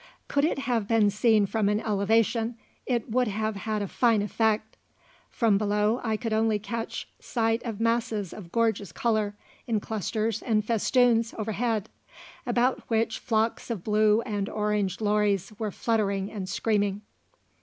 Could it have been seen from an elevation, it would have had a fine effect; from below I could only catch sight of masses of gorgeous colour in clusters and festoons overhead, about which flocks of blue and orange lories were fluttering and screaming.